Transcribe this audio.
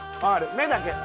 目だけ。